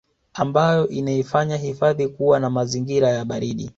ambayo inaifanya hifadhi kuwa na mazingira ya baridi